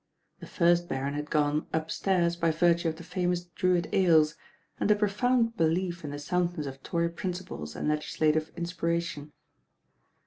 The first Baron had gone "up stairs" by virtue of the famous Drewitt Ales, and a profound belief in the soundness of Tory princi pies and legislative inspiration.